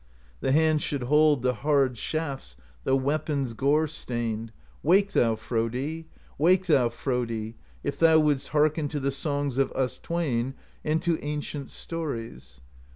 'The hands should hold The hard shafts, The weapons gore stained, — Wake thou, Frodi! Wake thou, Frodi, If thou wouldst hearken To the songs of us twain And to ancient stories.